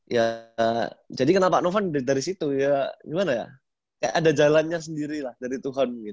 ya jadi kenapa pak novan dari situ ya gimana ya kayak ada jalannya sendiri lah dari tuhan